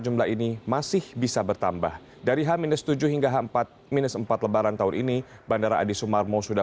jumlah ini masih bisa bertambah dari h tujuh hingga h empat minus empat lebaran tahun ini bandara adi sumarmo sudah